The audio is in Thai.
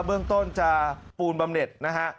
เบื้องต้นจะปูนบำเน็ตนะฮะ